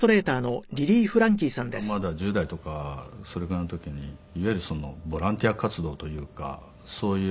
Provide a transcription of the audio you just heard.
初めて僕がまだ１０代とかそれぐらいの時にいわゆるボランティア活動というかそういう。